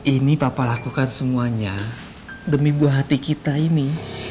ini papa lakukan semuanya demi buah hati kita ini